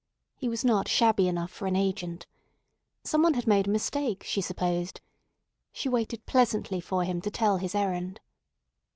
He was not shabby enough for an agent. Some one had made a mistake, she supposed. She waited pleasantly for him to tell his errand.